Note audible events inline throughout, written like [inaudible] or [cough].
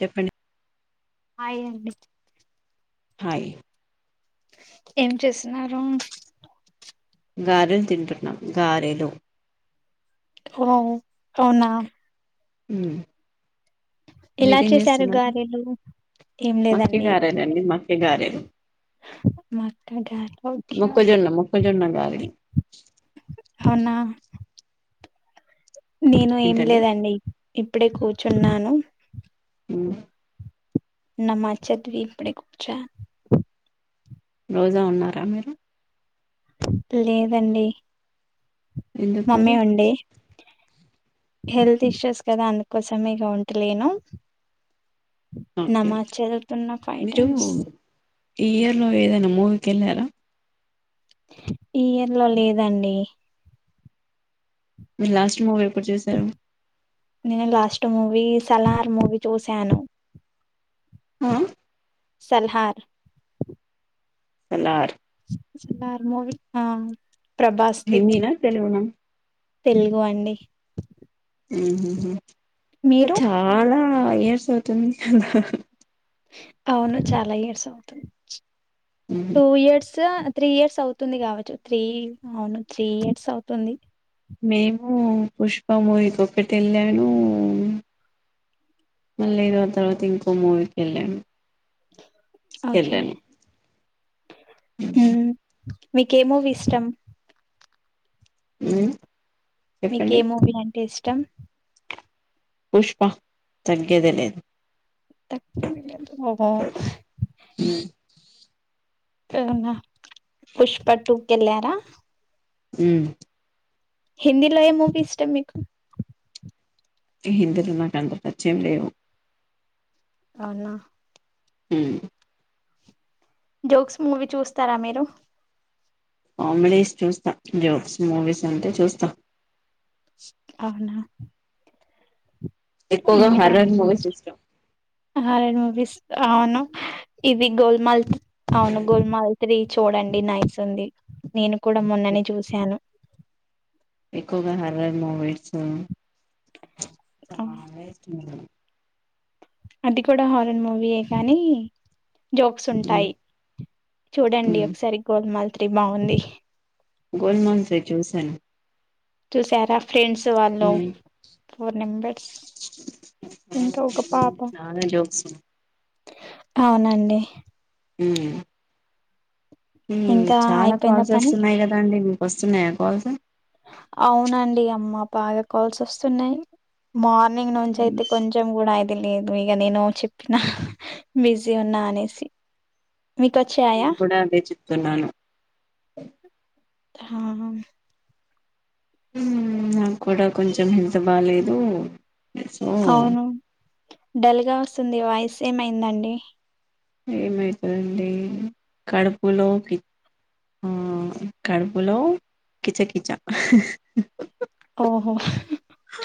చెప్పండి హాయ్ అండి హాయ్ ఏం చేస్తున్నారు గారెలు తింటున్నా గారెలు ఓ అవునా ఉమ్ ఎలా మీరేం చేసారు చేస్తున్నారు గారెలు ఏం లేదండి ఈ గారెలు మా మొక్క గారాలు ఒకే ఒకే మొక్కజొన్న మొక్కజొన్న గారెలు నేను ఏం ఏంటండి లేదండి ఇప్పుడే కూర్చున్నాను అ ఉమ్ నమస్ చదివి ఇపుడే కూర్చు రోజా ఉన్నారా మీరు లేదండి ఎందుకు మరి మమ్మీ ఉండే హెల్త్ ఇష్యూస్ కదా అందుకోసం ఇగ ఉంటలేను ఓకే నమాజ్ చదువుతున్న ఫైవ్ మీరు టైమ్స్ ఈ ఇయర్లో ఏదైనా మూవీకి ఎళ్ళారా ఈ ఇయర్ లో లేదండి లాస్ట్ మూవీ ఎప్పుడు చూశారు నేను లాస్ట్ మూవీ సలార్ మూవీ చూసను ఆ సలార్ సలర్ సాలార్ మూవీ ప్రభాస్ది హిందీ నా తెలుగున తెలుగు అండి ఆహ మీరు చాలా ఫైవ్ ఇయర్స్ అవుతుంది హా హా అవును చాలా ఇయర్స్ అవుతుంది ఉహు. టూ ఇయర్స్ త్రీ ఇయర్స్ అవుతుంది కావచ్చు త్రీ అవును త్రీ ఇయర్స్ అవుతుంది మేము పుష్ప మూవీకి ఒకటి వెళ్ళాను మళ్ళీ ఏదో తర్వాత ఇంకో మూవీకి వెళ్ళాను ఓకే వెళ్ళాను హ్మ్. [inaudible] మీకే మూవీ ఇష్టం అ మీకి ఏమూవీ అంటే ఇష్టం అచ్చం పుష్ప తగ్గేదే లేదు తక్దు ఓహో ఉమ్ అవునా పుష్ప టూ కెళ్ళారా ఉమ్ హిందీలో ఏ మూవీ ఇష్టం మీకు హిందీ లో నాకు అంత పరిచయం లేవు అవునా ఉమ్ జోక్స్ మూవీ చూస్తారా మీరు కామెడీస్ చూస్తాం జోక్స్ మూవీస్ అంటే చూస్తాం అవునా ఎక్కువగా హార్రర్ మూవీస్ ఇష్టం హార్రర్ మూవీస్ అవును ఇది గోల్మాల్ అవును గోల్మాల్ ి చూడండి నైస్ ఉంది నేను కూడా మొన్ననే చూశాను ఎక్కువగా హార్రర్ మూవీస్ ఆ! చాలా [inaudible] అది కూడా హార్రర్ మూవీయే కానీ జోక్స్ ఉంటాయి చూడండి ఒకసారి గోల్ మాల్స్ డి బాగుంది గోల్మాల్స్ నేను చూసాను చూశారా ఫ్రెండ్స్ వాళ్ళు ఉమ్ ఫోర్ నెంబర్స్ ఇంకా ఒక పాప చాలా జోక్స్ ఉన్నాయి. అవునండి ఉమ్ ఉమ్ ఇంకా చాలా అయిపోయిందా కాల్స్ పని వస్తున్నాయి కదా అండి మీ వస్తున్నాయా కాల్స్ ఉ అవునండి అమ్మ బాగా కాల్స్ వస్తున్నాయి మార్ నింగ్ నుంచి ఉమ్ అయితే కొంచెం గూడ ఐ తెలీదు ఇక నేను చెప్పినా బిజీ ఉన్నా అనేసి మీకొచ్చాయా తిన్నాను హా ఉమ్ నాకు కూడా కొంచెం హెల్త్ బాలేదు. ఉమ్ అవును డల్ గా వస్తుంది వాయిస్ ఏమయిందండి ఏమైతదండి కడుపులో కి ఆ కడుపులో కిచకిచ ఓహో హ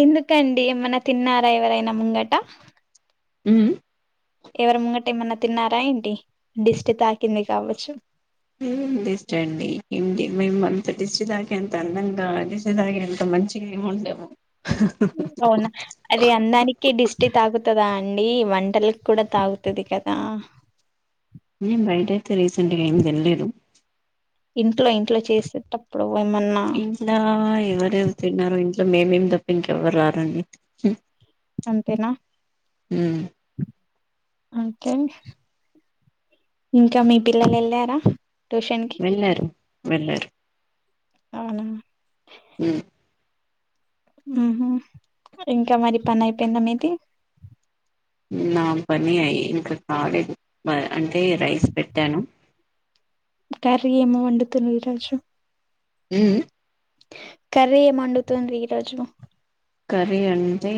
ఎందుకండి ఏమన్నా తిన్నారా ఎవరైనా ముంగట హ్మ్ ఎవరి ముంగట ఏమన్నా తిన్నారా ఏంటి దిష్టి తాకింది కావచ్చు ఏం దిష్టిండి ఏ మేము అంత దిష్టి తాకేంత అందంగా దిష్టి తాకేంత మంచిగా ఏమి ఉండము అవునా అదే అందానికి దిష్టి తాకుతాదా అం ఈ వంటలకి కూడా తాకుతది కదా నేన్ బైటైతే రీసెంట్ గా ఏం తినలేదు ఇంట్లో ఇంట్లో చేస్తే తప్ ఇంట్ల ఎవరెవరు తిన్నారో ఇ మేమేమి దప్ప ఇంకెవ్వరు రారండి అంతేనా మ్మ్ ఇంకా మీ పిల్లలు ఎళ్ళారా వెళ్లారు వెళ్లారు అవునా హ్మ్ ఊహు ఇంకా మరి పని అయిపోయింద మీది నా పని ఐ ఇంకా కాలేదు ప అంటే రైస్ పెట్టాను కర్రీ ఏమి వండుతురు ఈ రోజు హు హూ కర్రీ ఏం వండుతుర్రు ఈరోజు కర్రీ అంటే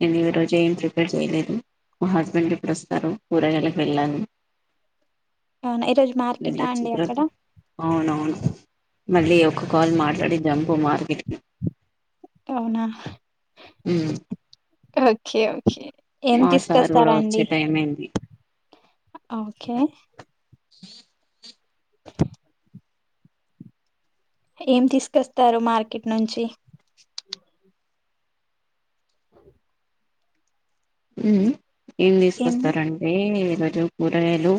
నేను ఈ రోజు ఏం ప్రిపేర్ చేయలేదు మా హస్బెండ్ ఇప్పుడు వస్తారు కూఊరగాళకి వెళ్ళాను అవునా ఈరోజు మార్కెటా అండి అక్కడ అవునవును మళ్ళీ ఒక కాల్ మాట్లాడి జంబ మార్కెట్కి అవునా అ ఓకే ఓకే ఏం సార్ కూడా తీసుకొస్తారా వచ్చే అండి టైం అయింది ఓకే ఈ ఏం తీసుకొస్తారు మార్కెట్ నుంచి ఉ ఏం తీసుకొస్తారంటడి రు కూరగాయలు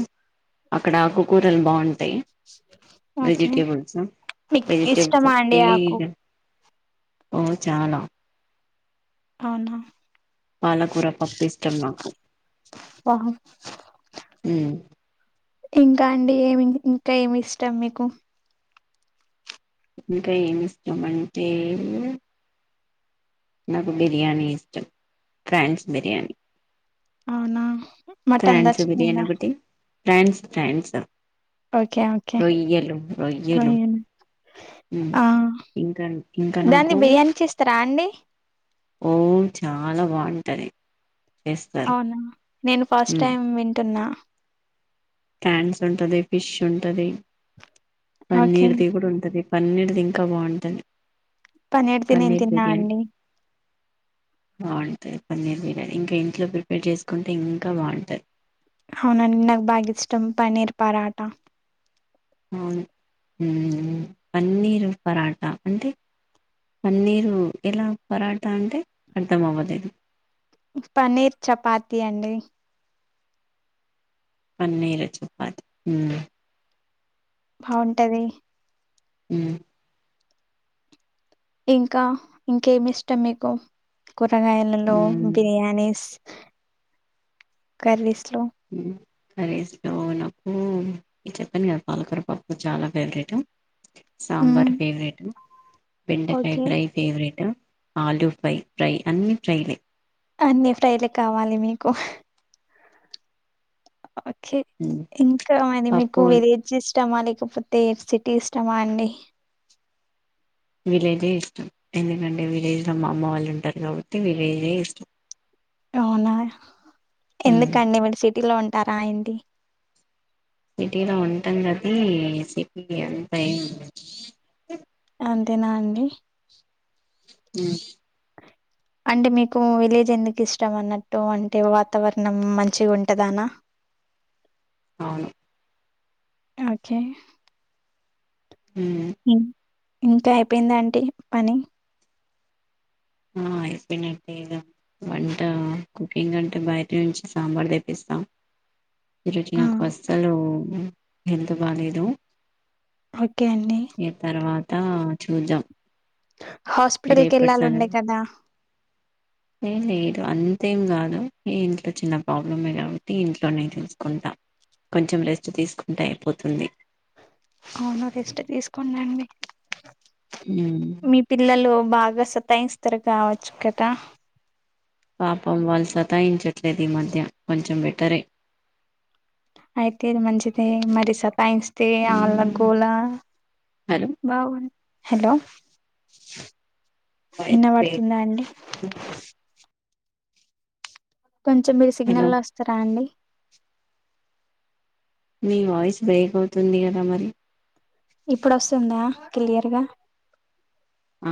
అక్కడ ఆకుకూరలు బాగుంటాయి ఓకే వజిటేబల్స్ మీకు ఇష్టమా అండి ఆకు వెజిటబల్ ఓ చాలా అవునా పాలకూర పప్పు ఇష్టం నాకు. వాహ్ ఇంకా అండి ఏమి ఇంకా ఏమి ఇష్టం మీకు. ఇంకా ఏమి ఇస్తామంటే నాకు బిర్యానీ ఇష్టం. ఫ్రాన్స్ బిర్యానీ అవునా మటన్దా ఫ్రాన్స్ బిర్యానీ చికెన్దా ఒకటి ఫ్రాన్స్ ఫ్రాన్స్ ఓకే ఓకే రొయ్యలు ఉమ్, ఆ ఇంకా ఇంకా దాన్ని నాకు బిర్యానీ చేస్తారా అండి. ఓ చాలా బాగుంటది. చేస్తారు అవునా నేను ఫస్ట్ టైం వింటున్నా. క్యాంస్ ఉంటది, ఫిష్ ఉంటది. ఓకే పన్నీర్ది కూడా ఉంటది. పన్నీర్ ది ఇంకా బాగుంటుంది. పన్నీర్ ది నేను తిన్నా అండి. బాగుంటాయి పన్నీర్ బిర్యానీ ఇంకా ఇంట్లో ప్రిపేర్ చేసుకుంటే ఇంకా బాగుంటది. అవునా అండి నాకు బా ఇష్టం పన్నీర్ పరాట అవును పన్నీరు పరాట అంటే పన్నీరు ఎలా పరాట అంటే అర్థం అవ్వలేదు. పనీర్ చపాతీ అండి. పన్నీర్ చపాతీ ఉ బాగుంటది. అ ఇంకా ఇంకేమి ఇష్టం మీకు. కూరగాయలలో మ్మ్ బిర్యానీస్ కర్రీస్ లో కర్రీస్ లో నాకు ఇ చెప్పను కదా పాలకూర పప్పు చాలా ఫేవరెట్. హ్మ్ సాంబార్ ఫేవరెట్. బెండకాయ ఓకే ఫ్రై ఫేవరేట్. ఆలూ ఫై ఫ్రై అన్ని ఫ్రైలే అన్ని ఫ్రైలే కావాలి మీకు. ఓకే హ్మ్. ఇంకా మరి మీకు పప్పు విలేజెస్ ఇష్టమా లేకపోతే, సిటీ ఇష్టమా అండి. విలేజే ఇష్టం ఎందుకంటే విలేజ్ లో మా అమ్మ వాళ్ళు ఉంటారు, కాబట్టి విలేజే ఇష్టం. అవునా హ్మ్. ఎందుకండి మరి సిటీ ఇంటిలో ఉంటారా ఏంటి? సిటీలో ఉంటాం కానీ సిటీ అంత అంతేనా అండి [inaudible] అంటే మీకు విలేజ్ ఎందుకు ఇష్టం అన్నట్టు అంటే వాతావరణం మంచిగా ఉంటదానా అవును ఓకే హ్మ్. మ్మ్ ఇంకా అయిపోయింద ఆంటీ పని అయిపోయినట్టే ఇగ వంట కుకింగ్ అంటే బయట నుంచి సాంబార్ తెప్పిస్తాం ఈరోజు ఆ నాకు అసలు హెల్త్ బాలేదు ఓకే అండి త చూద్దాం హాస్పిటల్కి వెళ్ళాలి ఉండే కదా ఏ లేదు అంతేం కాదు ఏ ఇంట్లో చిన్న ప్రాబ్లమే కాబట్టి ఇంట్లోనేే చూసుకుంటా కొంచెం రెస్ట్ తీసుకుంటే అయిపోతుంది అవును రెస్ట్ తీసుకొండండి ఉమ్ మీ పిల్లలు బాగా సతాయిస్తారు కావచ్చు కదా పాపం వాళ్ళు సతాయించట్లేదు ఈ మధ్య కొంచెం బెటరే అయితేది మంచిదే మరి సత్ సతాయిస్తే ఉమ్ ఆళ్ల గోలా హలో బాగు హలో ఇన్న పడుతుందా అండి కొంచెం మీరు హలో సిగ్నల్ లో వస్తారా అండి [inaudible] మీ వాయిస్ బ్రేక్ అవుతుంది కదా మరి ఇప్పుడు వస్తుందా క్లియర్గా ఆ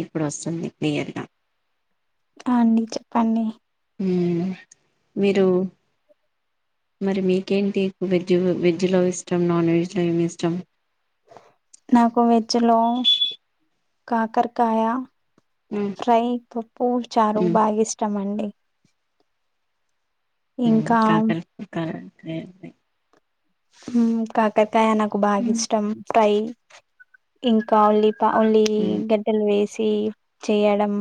ఇప్పుడు వస్తుంది క్లియర్గా ఆ అండి చెప్పండి మీరు మరి మీకేంటి వెజ్ వెజ్ లో ఇష్టం నాన్ వెజ్లో ఏమిష్టం నాకు వెజ్ లో కాకరకాయ మ్మ్. ఫ్రై పప్పు చారు మ్మ్. బాగా ఇష్టమండి మ్మ్ ఇంకా కాకరకాయ [unintelligible] మ్మ్ కాకర్ కాయ నాకు బాగిష్టం ఫ్రై ఇంకా ఉల్లి పా ఉల్లి గడ్డలు వేస్ చే చేయడం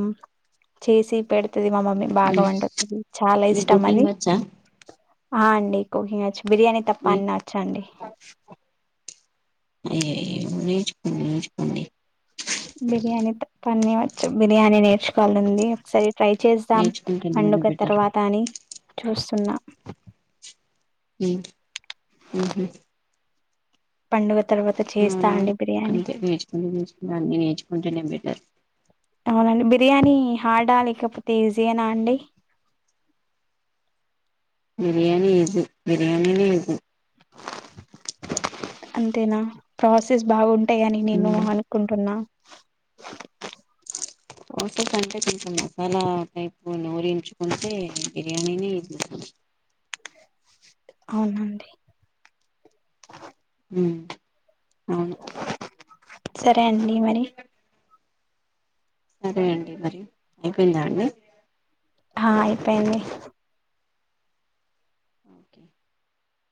చేసి పెడత్ డతది మా మమ్మీ బాగా వంట చాలా మీ ఇష్టం కుకింగ్ అది వచ్చా ఆ అండి కుకింగ్ వచ్చు బిర్యాని తప్ మీ పన్న వచ్చాండి అయ్యయ నే చుకోండి నేచుకోండి [unintelligible] బిర్యానీ పన్నీర్ బిర్యానీ నేర్చుకోవాలని ఉంది ట్రై చేస్తాం నేర్చుకుంటేనే కదా పండుగ బెటర్ తర్వాత అని చూస్తున్నా [inaudible] పండుగ తర్వాత చేస్తా హ్మ్మ్ అండి బిర్యానీ అంతే నేర్చుకుంటే నేర్చుకు అన్ని నేర్చుకుంటే బెటర్ బ [unintelligible] అవునండి బిర్యానీ హార్డ్ ఆ లేకపోతే ఈజీ యేన అండి బిర్యానీ ఈజీ బిర్యానీని ఈజీ అంతేనా ప్రాసెస్ బాగుంట అంటె అని నేను మ్మ్. అనుకుంటున్నా [inaudible] టోసెస్ అంటే కొంచెం మసాలా టైప్ నోరించుకుంటే బిర్యానీని ఇస్త అవునండి ఉమ్ అవును ఒకే అండి మరి సరే అండి మరి అయిపోయిందా అండి ఆ అయిపోయింది ఓకే